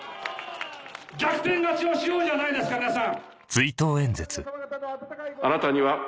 逆転勝ちをしようじゃないですか皆さん！